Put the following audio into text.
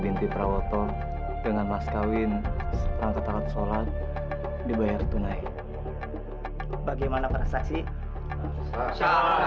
binti prawoto dengan mas kawin rangka takut sholat dibayar tunai bagaimana perasaan sih